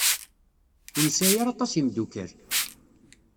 Ur nesɛi ara aṭas n yimeddukal.